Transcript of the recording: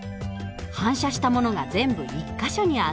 反射したものが全部１か所に集まる。